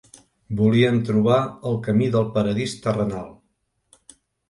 Volien trobar el camí del Paradís Terrenal.